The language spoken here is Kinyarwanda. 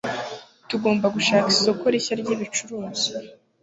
Tugomba gushaka isoko rishya ryibicuruzwa.